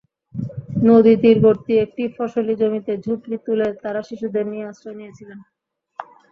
নদীতীরবর্তী একটি ফসলি জমিতে ঝুপড়ি তুলে তাঁরা শিশুদের নিয়ে আশ্রয় নিয়েছেন।